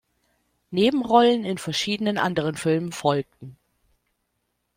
Nebenrollen in verschiedenen anderen Filmen folgten.